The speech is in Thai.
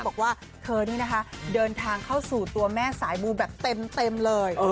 บอกว่าเธอนี่นะคะเดินทางเข้าสู่ตัวแม่สายมูแบบเต็มเลย